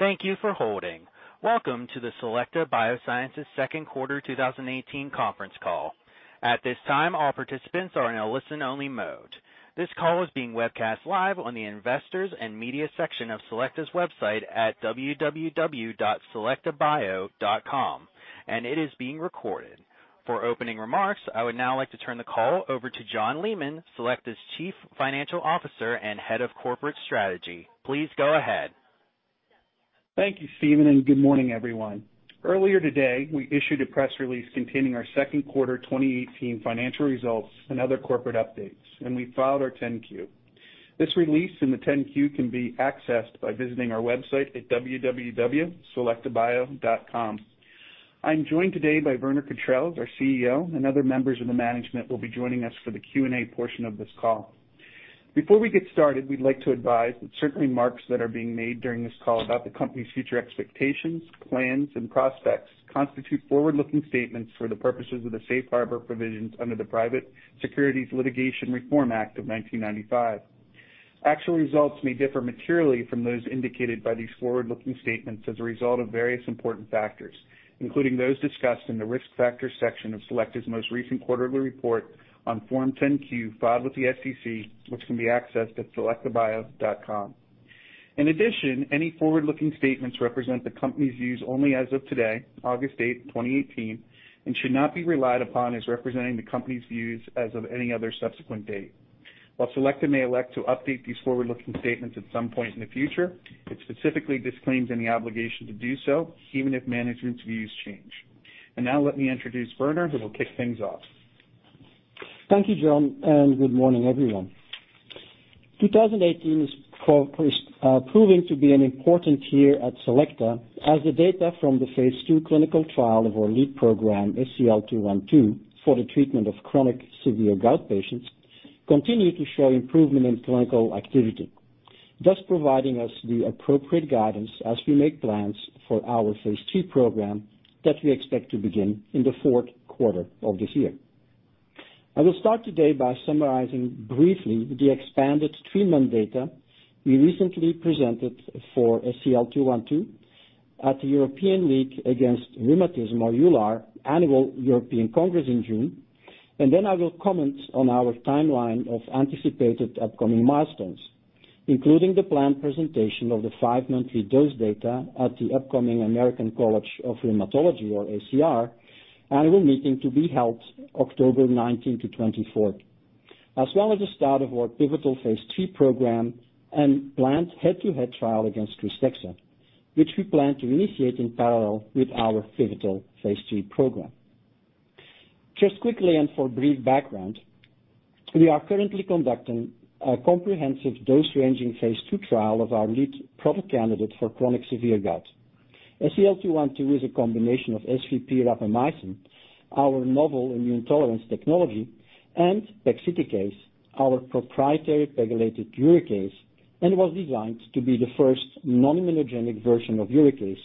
Thank you for holding. Welcome to the Selecta Biosciences second quarter 2018 conference call. At this time, all participants are in a listen-only mode. This call is being webcast live on the Investors and Media section of Selecta's website at www.selectabio.com. It is being recorded. For opening remarks, I would now like to turn the call over to John Leaman, Selecta's Chief Financial Officer and Head of Corporate Strategy. Please go ahead. Thank you, Steven. Good morning, everyone. Earlier today, we issued a press release containing our second quarter 2018 financial results and other corporate updates. We filed our 10-Q. This release and the 10-Q can be accessed by visiting our website at www.selectabio.com. I'm joined today by Werner Cautreels, our CEO. Other members of the management will be joining us for the Q&A portion of this call. Before we get started, we'd like to advise that certain remarks that are being made during this call about the company's future expectations, plans, and prospects constitute forward-looking statements for the purposes of the safe harbor provisions under the Private Securities Litigation Reform Act of 1995. Actual results may differ materially from those indicated by these forward-looking statements as a result of various important factors, including those discussed in the Risk Factors section of Selecta's most recent quarterly report on Form 10-Q filed with the SEC, which can be accessed at selectabio.com. In addition, any forward-looking statements represent the company's views only as of today, August 8th, 2018. Should not be relied upon as representing the company's views as of any other subsequent date. While Selecta may elect to update these forward-looking statements at some point in the future, it specifically disclaims any obligation to do so, even if management's views change. Now let me introduce Werner, who will kick things off. Thank you, John. Good morning, everyone. 2018 is proving to be an important year at Selecta as the data from the phase II clinical trial of our lead program, SEL-212, for the treatment of chronic severe gout patients, continue to show improvement in clinical activity, thus providing us the appropriate guidance as we make plans for our phase II program that we expect to begin in the fourth quarter of this year. I will start today by summarizing briefly the expanded treatment data we recently presented for SEL-212 at the European League Against Rheumatism, or EULAR, Annual European Congress in June. Then I will comment on our timeline of anticipated upcoming milestones, including the planned presentation of the five monthly dose data at the upcoming American College of Rheumatology, or ACR, annual meeting to be held October 19 to 24th. As well as the start of our pivotal phase II program and planned head-to-head trial against KRYSTEXXA, which we plan to initiate in parallel with our pivotal phase II program. Just quickly and for brief background, we are currently conducting a comprehensive dose-ranging phase II trial of our lead product candidate for chronic severe gout. SEL-212 is a combination of SVP-Rapamycin, our novel immune tolerance technology, and pegsiticase, our proprietary PEGylated uricase, and was designed to be the first non-immunogenic version of uricase,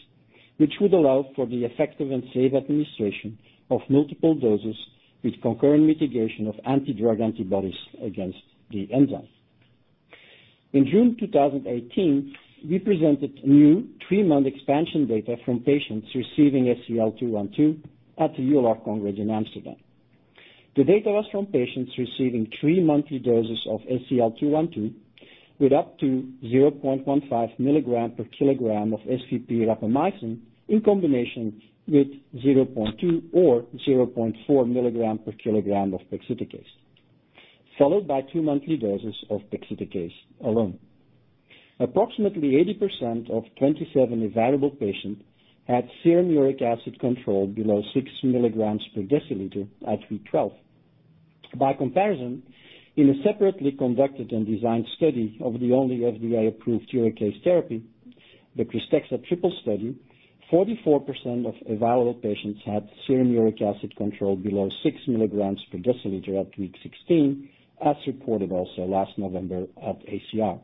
which would allow for the effective and safe administration of multiple doses with concurrent mitigation of anti-drug antibodies against the enzyme. In June 2018, we presented new three-month expansion data from patients receiving SEL-212 at the EULAR Congress in Amsterdam. The data was from patients receiving three monthly doses of SEL-212, with up to 0.15 milligrams per kilogram of SVP-Rapamycin in combination with 0.2 or 0.4 milligrams per kilogram of pegsiticase, followed by two monthly doses of pegsiticase alone. Approximately 80% of 27 evaluable patients had serum uric acid control below six milligrams per deciliter at week 12. By comparison, in a separately conducted and designed study of the only FDA-approved uricase therapy, the KRYSTEXXA TRIPLE study, 44% of evaluable patients had serum uric acid control below six milligrams per deciliter at week 16, as reported also last November at ACR.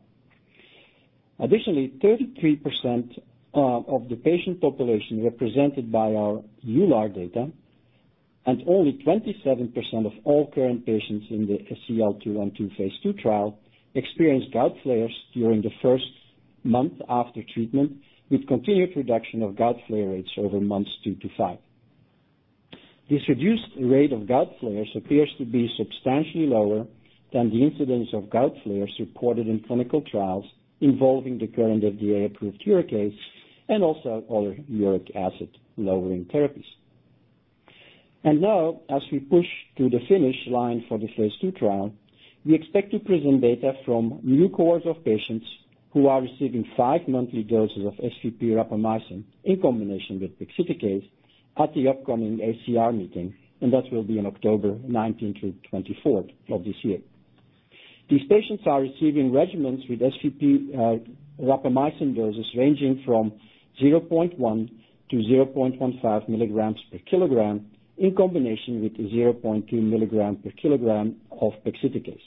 33% of the patient population represented by our EULAR data and only 27% of all current patients in the SEL-212 phase II trial experienced gout flares during the first month after treatment, with continued reduction of gout flare rates over months two to five. This reduced rate of gout flares appears to be substantially lower than the incidence of gout flares reported in clinical trials involving the current FDA-approved uricase and also other uric acid-lowering therapies. Now, as we push to the finish line for the phase II trial, we expect to present data from new cohorts of patients who are receiving five monthly doses of SVP-Rapamycin in combination with pegsiticase at the upcoming ACR meeting, and that will be on October 19th through 24th of this year. These patients are receiving regimens with SVP-Rapamycin doses ranging from 0.1 to 0.15 milligrams per kilogram in combination with 0.2 milligrams per kilogram of pegsiticase.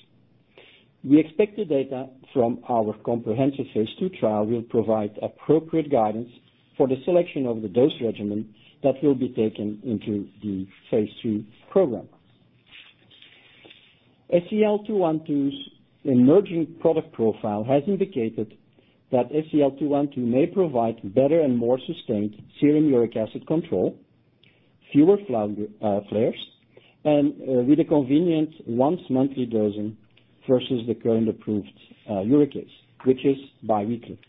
We expect the data from our comprehensive phase II trial will provide appropriate guidance for the selection of the dose regimen that will be taken into the phase III program. SEL-212's emerging product profile has indicated that SEL-212 may provide better and more sustained serum uric acid control, fewer flares, and with a convenient once-monthly dosing versus the current approved uricase, which is biweekly.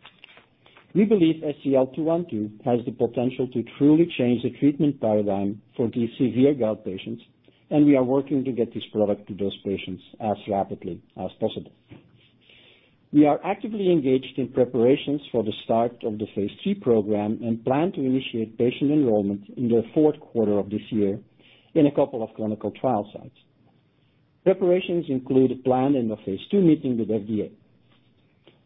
We believe SEL-212 has the potential to truly change the treatment paradigm for these severe gout patients, we are working to get this product to those patients as rapidly as possible. We are actively engaged in preparations for the start of the phase II program and plan to initiate patient enrollment in the fourth quarter of this year in a couple of clinical trial sites. Preparations include planning a phase II meeting with FDA.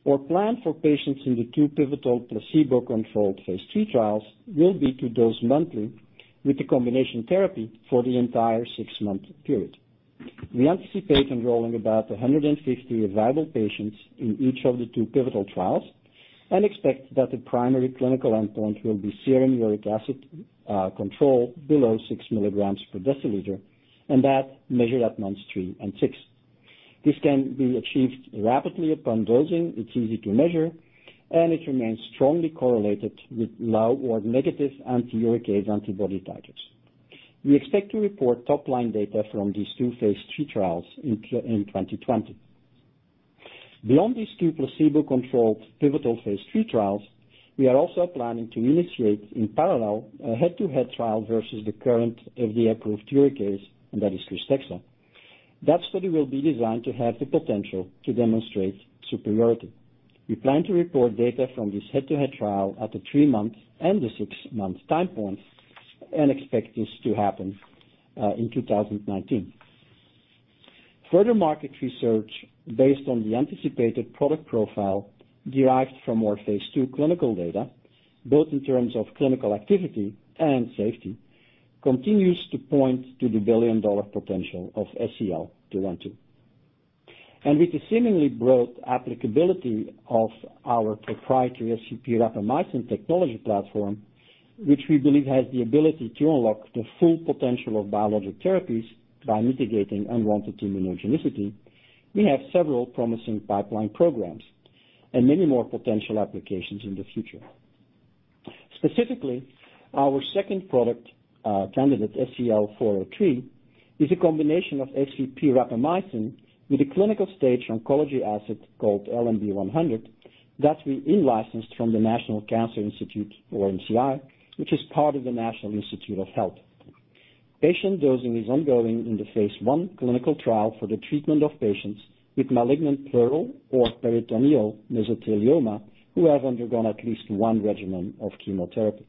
Our plan for patients in the two pivotal placebo-controlled phase III trials will be to dose monthly with the combination therapy for the entire six-month period. We anticipate enrolling about 150 viable patients in each of the two pivotal trials and expect that the primary clinical endpoint will be serum uric acid control below six milligrams per deciliter, and that measured at months three and six. This can be achieved rapidly upon dosing. It's easy to measure, and it remains strongly correlated with low or negative anti-uricase antibody titers. We expect to report top-line data from these two phase III trials in 2020. Beyond these two placebo-controlled pivotal phase III trials, we are also planning to initiate in parallel a head-to-head trial versus the current FDA-approved uricase, and that is KRYSTEXXA. That study will be designed to have the potential to demonstrate superiority. We plan to report data from this head-to-head trial at the 3-month and 6-month time points and expect this to happen in 2019. Further market research based on the anticipated product profile derived from our phase II clinical data, both in terms of clinical activity and safety, continues to point to the $1 billion potential of SEL-212. With the seemingly broad applicability of our proprietary SVP-Rapamycin technology platform, which we believe has the ability to unlock the full potential of biologic therapies by mitigating unwanted immunogenicity, we have several promising pipeline programs and many more potential applications in the future. Specifically, our second product candidate, SEL-403, is a combination of SVP-Rapamycin with a clinical-stage oncology asset called LMB-100 that we in-licensed from the National Cancer Institute, or NCI, which is part of the National Institutes of Health. Patient dosing is ongoing in the phase I clinical trial for the treatment of patients with malignant pleural or peritoneal mesothelioma who have undergone at least one regimen of chemotherapy.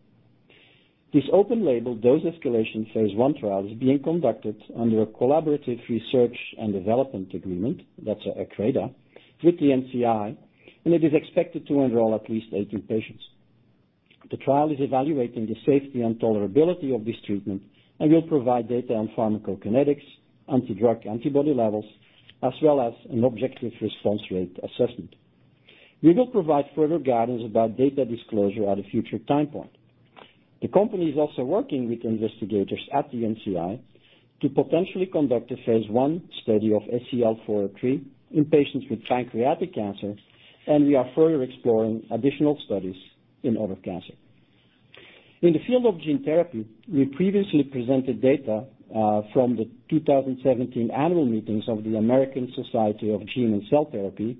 This open-label dose escalation phase I trial is being conducted under a collaborative research and development agreement, that's a CRADA, with the NCI. It is expected to enroll at least 18 patients. The trial is evaluating the safety and tolerability of this treatment and will provide data on pharmacokinetics, anti-drug antibody levels, as well as an objective response rate assessment. We will provide further guidance about data disclosure at a future time point. The company is also working with investigators at the NCI to potentially conduct a phase I study of SEL-403 in patients with pancreatic cancer. We are further exploring additional studies in other cancers. In the field of gene therapy, we previously presented data from the 2017 annual meetings of the American Society of Gene & Cell Therapy,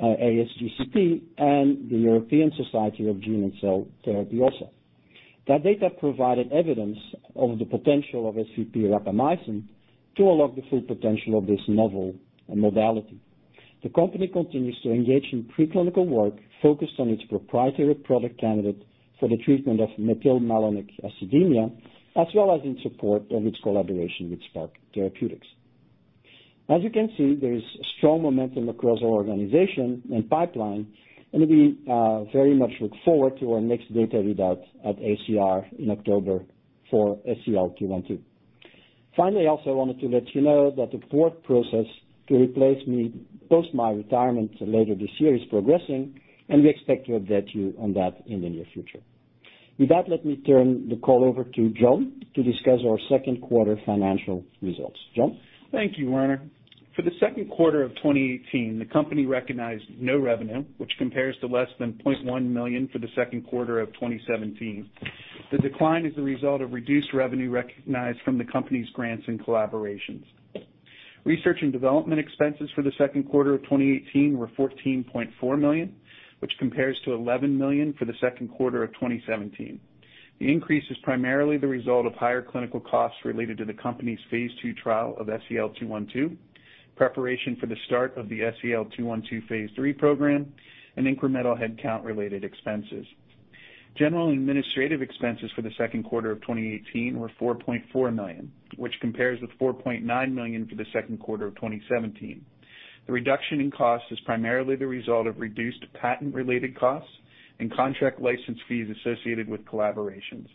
ASGCT, and the European Society of Gene and Cell Therapy also. That data provided evidence of the potential of SVP-Rapamycin to unlock the full potential of this novel modality. The company continues to engage in preclinical work focused on its proprietary product candidate for the treatment of methylmalonic acidemia, as well as in support of its collaboration with Spark Therapeutics. As you can see, there is strong momentum across our organization and pipeline. We very much look forward to our next data readout at ACR in October for SEL-212. Finally, I also wanted to let you know that the board process to replace me post my retirement later this year is progressing. We expect to update you on that in the near future. With that, let me turn the call over to John to discuss our second quarter financial results. John? Thank you, Werner. For the second quarter of 2018, the company recognized no revenue, which compares to less than $0.1 million for the second quarter of 2017. The decline is the result of reduced revenue recognized from the company's grants and collaborations. Research and development expenses for the second quarter of 2018 were $14.4 million, which compares to $11 million for the second quarter of 2017. The increase is primarily the result of higher clinical costs related to the company's phase II trial of SEL-212, preparation for the start of the SEL-212 phase III program, and incremental headcount-related expenses. General and administrative expenses for the second quarter of 2018 were $4.4 million, which compares with $4.9 million for the second quarter of 2017. The reduction in cost is primarily the result of reduced patent-related costs and contract license fees associated with collaborations.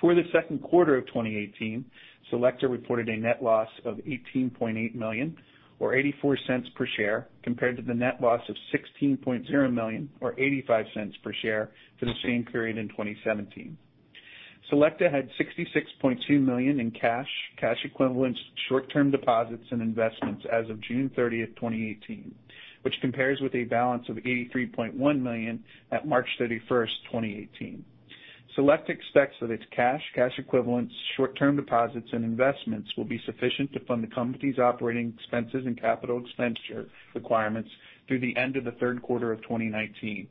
For the second quarter of 2018, Selecta reported a net loss of $18.8 million, or $0.84 per share, compared to the net loss of $16.0 million or $0.85 per share for the same period in 2017. Selecta had $66.2 million in cash equivalents, short-term deposits, and investments as of June 30th, 2018, which compares with a balance of $83.1 million at March 31st, 2018. Selecta expects that its cash equivalents, short-term deposits, and investments will be sufficient to fund the company's operating expenses and capital expenditure requirements through the end of the third quarter of 2019.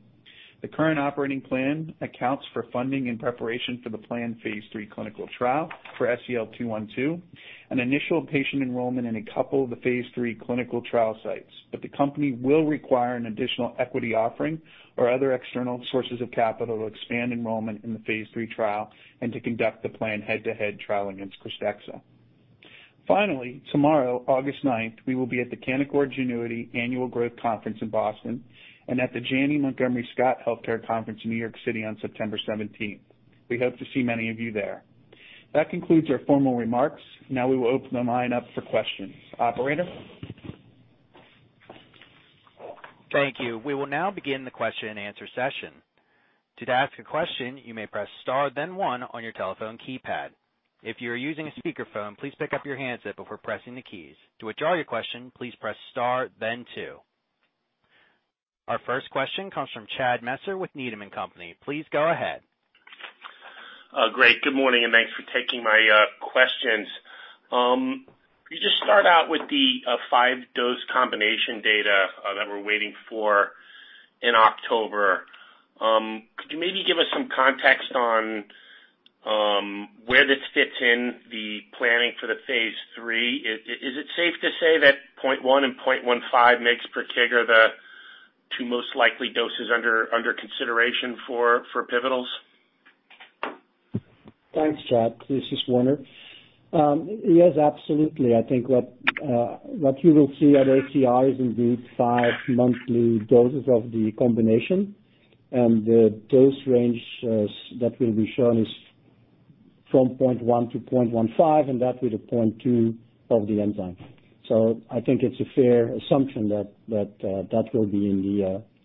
The current operating plan accounts for funding in preparation for the planned phase III clinical trial for SEL-212, and initial patient enrollment in a couple of the phase III clinical trial sites. The company will require an additional equity offering or other external sources of capital to expand enrollment in the phase III trial and to conduct the planned head-to-head trial against KRYSTEXXA. Tomorrow, August 9th, we will be at the Canaccord Genuity Annual Growth Conference in Boston, and at the Janney Montgomery Scott Healthcare Conference in New York City on September 17th. We hope to see many of you there. That concludes our formal remarks. We will open the line up for questions. Operator? Thank you. We will now begin the question and answer session. To ask a question, you may press star then one on your telephone keypad. If you're using a speakerphone, please pick up your handset before pressing the keys. To withdraw your question, please press star then two. Our first question comes from Chad Messer with Needham & Company. Please go ahead. Great. Good morning, and thanks for taking my questions. Can you just start out with the five-dose combination data that we're waiting for in October? Could you maybe give us some context on where this fits in the planning for the phase III? Is it safe to say that 0.1 and 0.15 mgs per kg are the two most likely doses under consideration for pivotals? Thanks, Chad. This is Werner. Yes, absolutely. I think what you will see at ACR is indeed five monthly doses of the combination. The dose range that will be shown is from 0.1 to 0.15, and that with a 0.2 of the enzyme. I think it's a fair assumption that will be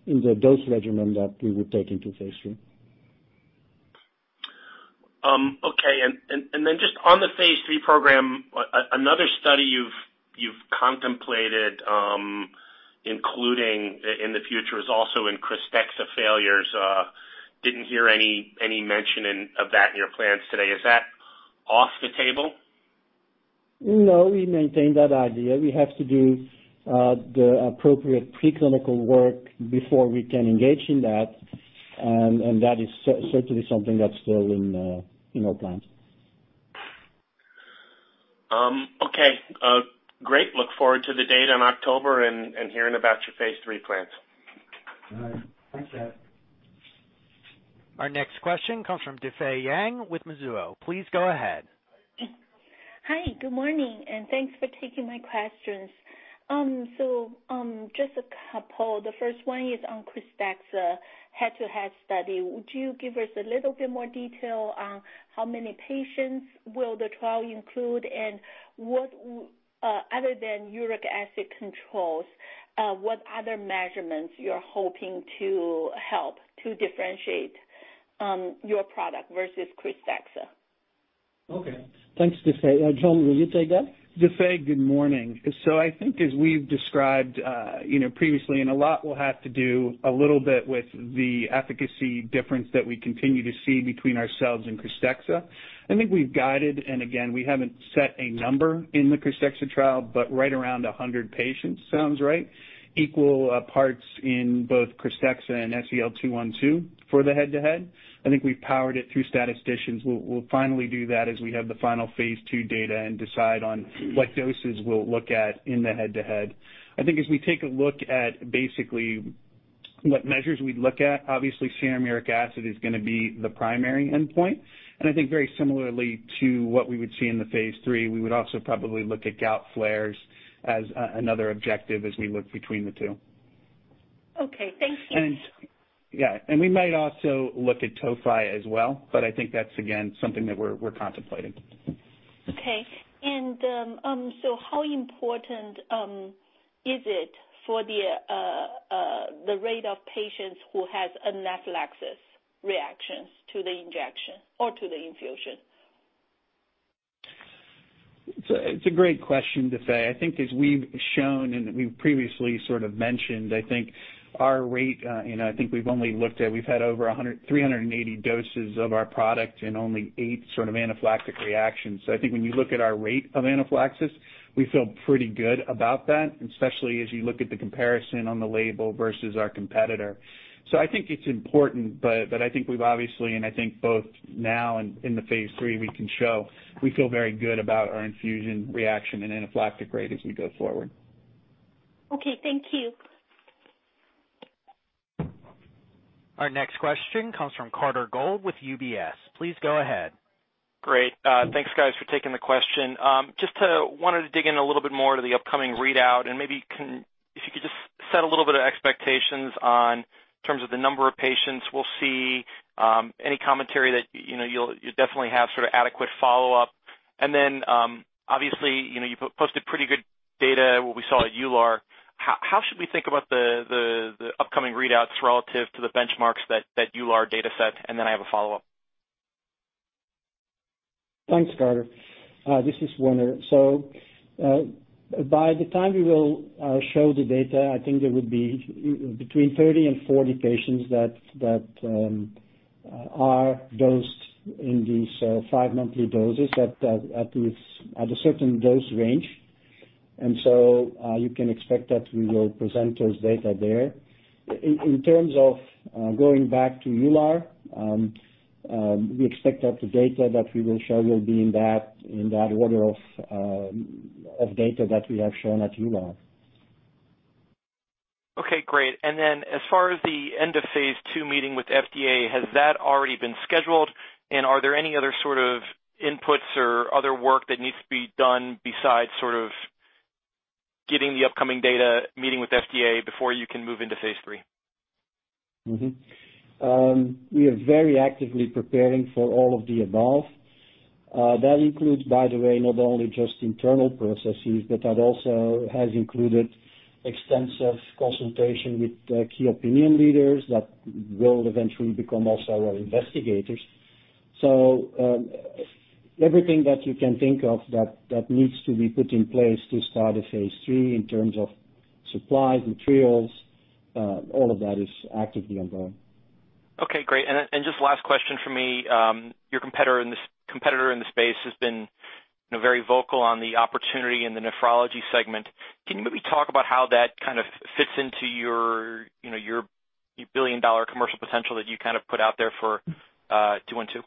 in the dose regimen that we will take into phase III. Okay. Just on the phase III program, another study you've contemplated including in the future is also in KRYSTEXXA failures. Didn't hear any mention of that in your plans today. Is that off the table? No, we maintain that idea. We have to do the appropriate pre-clinical work before we can engage in that, and that is certainly something that's still in our plans. Okay. Great. Look forward to the data in October and hearing about your phase III plans. All right. Thanks, Chad. Our next question comes from Difei Yang with Mizuho. Please go ahead. Hi. Good morning, and thanks for taking my questions. Just a couple. The first one is on KRYSTEXXA head-to-head study. Would you give us a little bit more detail on how many patients will the trial include, and other than uric acid controls, what other measurements you're hoping to help to differentiate your product versus KRYSTEXXA? Okay. Thanks, Difei. John, will you take that? Difei, good morning. I think as we've described previously, a lot will have to do a little bit with the efficacy difference that we continue to see between ourselves and KRYSTEXXA. I think we've guided, and again, we haven't set a number in the KRYSTEXXA trial, but right around 100 patients sounds right. Equal parts in both KRYSTEXXA and SEL-212 for the head-to-head. I think we've powered it through statisticians. We'll finally do that as we have the final phase II data and decide on what doses we'll look at in the head-to-head. I think as we take a look at basically what measures we'd look at, obviously serum uric acid is going to be the primary endpoint. I think very similarly to what we would see in the phase III, we would also probably look at gout flares as another objective as we look between the two. Okay. Thank you. Yeah. We might also look at tophi as well, but I think that's, again, something that we're contemplating. Okay. How important is it for the rate of patients who has anaphylaxis reactions to the injection or to the infusion? It's a great question, Difei. I think as we've shown and that we've previously sort of mentioned, I think our rate, and I think we've had over 380 doses of our product and only eight sort of anaphylactic reactions. I think when you look at our rate of anaphylaxis, we feel pretty good about that, especially as you look at the comparison on the label versus our competitor. I think it's important, but I think we've obviously, and I think both now and in the phase III, we can show we feel very good about our infusion reaction and anaphylactic rate as we go forward. Okay. Thank you. Our next question comes from Carter Gould with UBS. Please go ahead. Great. Thanks, guys, for taking the question. I just wanted to dig in a little bit more to the upcoming readout and maybe if you could just set a little bit of expectations in terms of the number of patients we'll see, any commentary that you'll definitely have sort of adequate follow-up Obviously, you posted pretty good data, what we saw at EULAR. How should we think about the upcoming readouts relative to the benchmarks of that EULAR data set? I have a follow-up. Thanks, Carter. This is Werner. By the time we will show the data, I think there would be between 30 and 40 patients that are dosed in these five monthly doses at a certain dose range. You can expect that we will present those data there. In terms of going back to EULAR, we expect that the data that we will show will be in that order of data that we have shown at EULAR. Okay, great. As far as the end-of-phase II meeting with FDA, has that already been scheduled? Are there any other sort of inputs or other work that needs to be done besides sort of getting the upcoming data, meeting with FDA before you can move into phase III? Mm-hmm. We are very actively preparing for all of the above. That includes, by the way, not only just internal processes, but that also has included extensive consultation with key opinion leaders that will eventually become also our investigators. Everything that you can think of that needs to be put in place to start a phase III in terms of supplies, materials, all of that is actively ongoing. Okay, great. Just last question from me. Your competitor in this space has been very vocal on the opportunity in the nephrology segment. Can you maybe talk about how that kind of fits into your billion-dollar commercial potential that you kind of put out there for 212?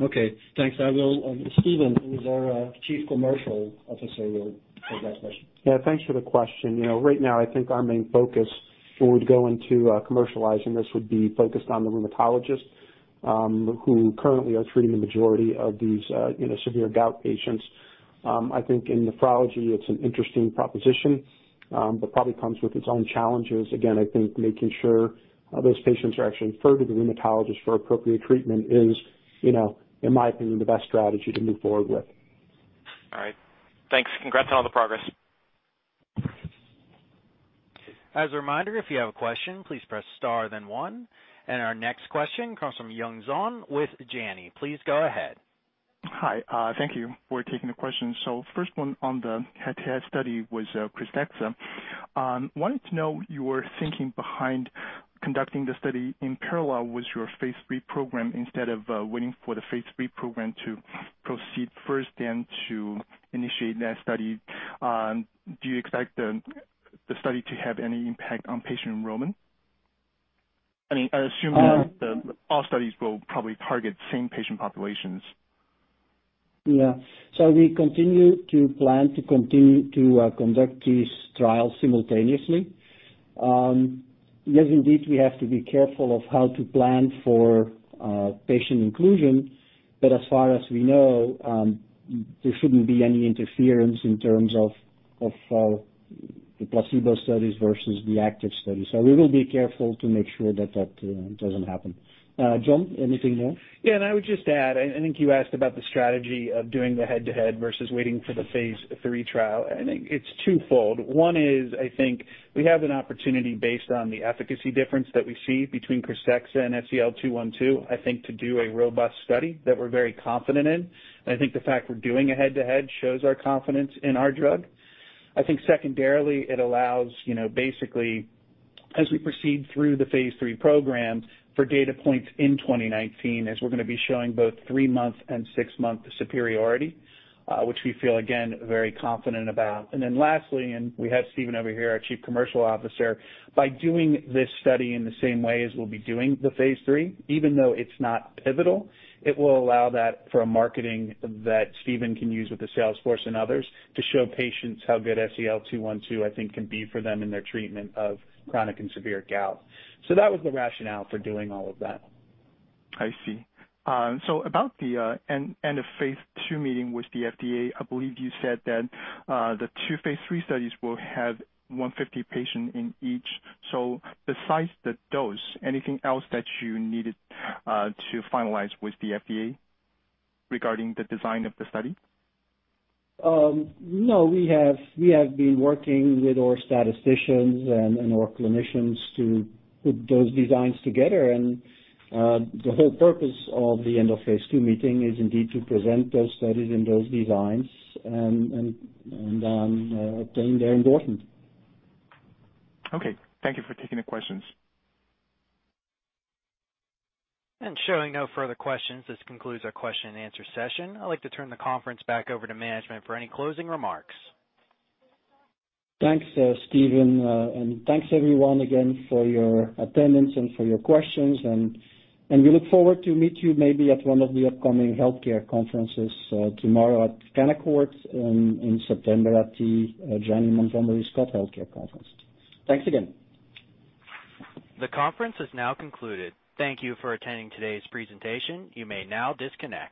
Okay. Thanks. Stephen, who is our Chief Commercial Officer, will take that question. Yeah, thanks for the question. Right now, I think our main focus forward going to commercializing this would be focused on the rheumatologists, who currently are treating the majority of these severe gout patients. I think in nephrology, it's an interesting proposition, but probably comes with its own challenges. Again, I think making sure those patients are actually referred to the rheumatologist for appropriate treatment is, in my opinion, the best strategy to move forward with. All right. Thanks. Congrats on all the progress. As a reminder, if you have a question, please press star then one. Our next question comes from Yun Zhong with Janney. Please go ahead. Hi. Thank you for taking the question. First one on the head-to-head study with KRYSTEXXA. Wanted to know your thinking behind conducting the study in parallel with your phase III program instead of waiting for the phase III program to proceed first, then to initiate that study. Do you expect the study to have any impact on patient enrollment? I assume that all studies will probably target the same patient populations. We continue to plan to continue to conduct these trials simultaneously. Indeed, we have to be careful of how to plan for patient inclusion. As far as we know, there shouldn't be any interference in terms of the placebo studies versus the active studies. We will be careful to make sure that that doesn't happen. John, anything to add? I would just add, I think you asked about the strategy of doing the head-to-head versus waiting for the phase III trial. I think it's twofold. One is I think we have an opportunity based on the efficacy difference that we see between KRYSTEXXA and SEL-212, I think, to do a robust study that we're very confident in. I think the fact we're doing a head-to-head shows our confidence in our drug. I think secondarily, it allows basically as we proceed through the phase III program for data points in 2019, as we're going to be showing both three-month and six-month superiority, which we feel again, very confident about. Lastly, we have Stephen over here, our Chief Commercial Officer, by doing this study in the same way as we'll be doing the phase III, even though it's not pivotal, it will allow that for a marketing that Stephen can use with the sales force and others to show patients how good SEL-212, I think, can be for them in their treatment of chronic and severe gout. That was the rationale for doing all of that. I see. About the end of phase II meeting with the FDA, I believe you said that the two phase III studies will have 150 patients in each. Besides the dose, anything else that you needed to finalize with the FDA regarding the design of the study? No, we have been working with our statisticians and our clinicians to put those designs together, and the whole purpose of the end-of-phase II meeting is indeed to present those studies and those designs and obtain their endorsement. Okay. Thank you for taking the questions. Showing no further questions, this concludes our question and answer session. I'd like to turn the conference back over to management for any closing remarks. Thanks, Steven. Thanks everyone again for your attendance and for your questions. We look forward to meet you maybe at one of the upcoming healthcare conferences tomorrow at Canaccord and in September at the Janney Montgomery Scott Healthcare Conference. Thanks again. The conference is now concluded. Thank you for attending today's presentation. You may now disconnect.